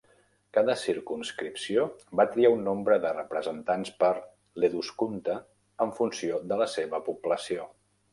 Cada circumscripció va triar un nombre de representants per l'Eduskunta en funció de la seva població.